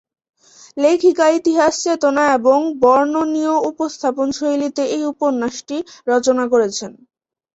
লেখিকা ইতিহাস চেতনা এবং বর্ণনীয় উপস্থাপন শৈলীতে এই উপন্যাসটি রচনা করেছেন।